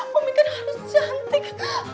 bomi kan harus cantik